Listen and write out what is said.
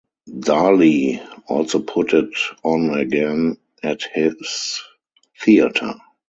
Daly also put it on again at his theatre.